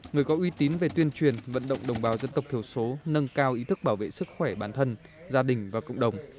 người có uy tín về tuyên truyền vận động đồng bào dân tộc thiểu số nâng cao ý thức bảo vệ sức khỏe bản thân gia đình và cộng đồng